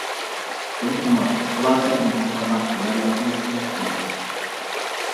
زۇلخۇمار:-خۇلاسە ئىمتىھانغا تەييارلىق قىلىپ شۇ دەيدۇ.